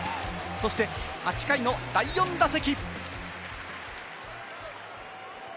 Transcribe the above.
そして８回の第４打席。